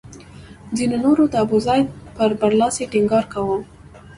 ځینو نورو د ابوزید پر برلاسي ټینګار کاوه.